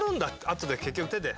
あとで結局手で。